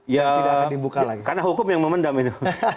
ya karena hukum yang memendam itu